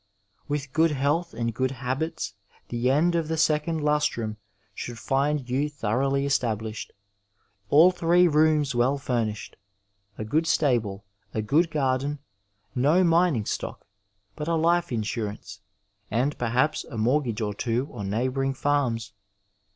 With good health and good habits the end of the second lustrum should find you thoroughly established — all three rooms well furnished, a good stable, a good garden, no mining stock, but a life insurance, and, perhaps, a mortgage or two on neighbouring farms.